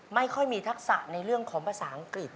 ไม่ค่อยมีทักษะในเรื่องของภาษาอังกฤษ